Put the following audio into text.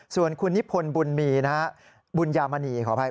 ส่วนคุณนิพนธ์บุญมีนะฮะบุญยามณีขออภัย